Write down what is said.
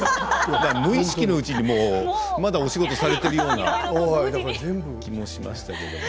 無意識のうちにもうまだお仕事されてるような気もしましたけどもね。